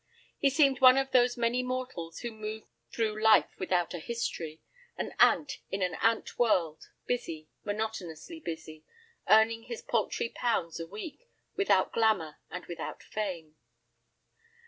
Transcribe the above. He seemed one of those many mortals who move through life without a history, an ant in an ant world, busy, monotonously busy, earning his paltry pounds a week, without glamour, and without fame.